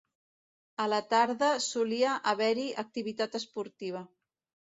A la tarda solia haver-hi activitat esportiva.